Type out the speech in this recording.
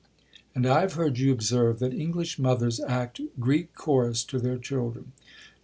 And I have heard you observe that English mothers act Greek chorus to their children.